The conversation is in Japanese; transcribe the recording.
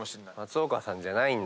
松岡さんじゃない。